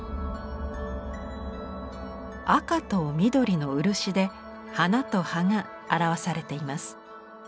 赤と緑の漆で花と葉が表されています。